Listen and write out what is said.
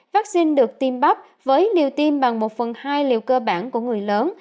vaccine được tiêm bắp với liều tiêm bằng một phần hai liều cơ bản của người lớn